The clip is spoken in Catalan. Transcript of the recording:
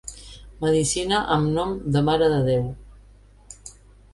Medicina amb nom de marededéu.